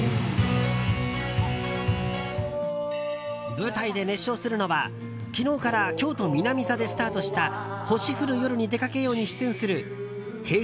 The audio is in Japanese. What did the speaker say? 舞台で熱唱するのは昨日から京都・南座でスタートした「星降る夜に出掛けよう」に出演するＨｅｙ！